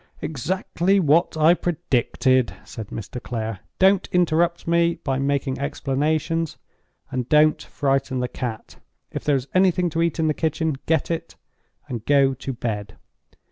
"Exactly what I predicted," said Mr. Clare. "Don't interrupt me by making explanations; and don't frighten the cat. If there is anything to eat in the kitchen, get it and go to bed.